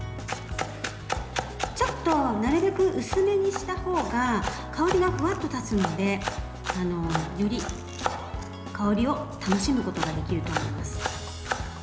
ちょっとなるべく薄めにしたほうが香りがほわっと立つのでより香りを楽しむことができると思います。